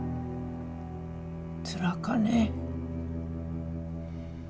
つらかね。